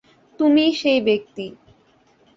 তুমিই সেই ব্যক্তি।